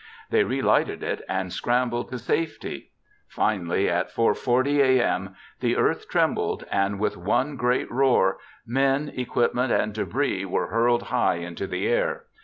They relighted it and scrambled to safety. Finally, at 4:40 a.m., the earth trembled, and with one great roar, men, equipment, and debris were hurled high into the air.